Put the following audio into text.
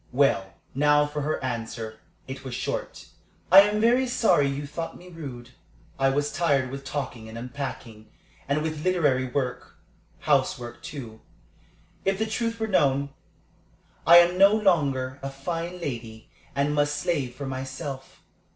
Well, now for her answer. It was short. "I am very sorry you thought me rude. I was tired with talking and unpacking, and with literary work housework, too, if the truth were known. I am no longer a fine lady, and must slave for myself.